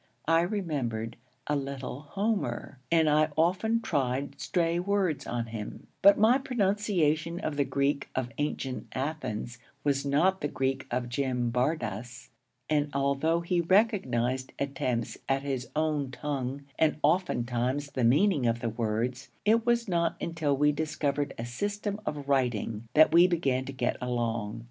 I remembered a little Homer, and I often tried stray words on him; but my pronunciation of the Greek of ancient Athens was not the Greek of Jim Bardas; and although he recognized attempts at his own tongue and oftentimes the meaning of the words, it was not until we discovered a system of writing that we began to get along.